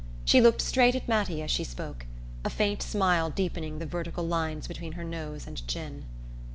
She looked straight at Mattie as she spoke, a faint smile deepening the vertical lines between her nose and chin.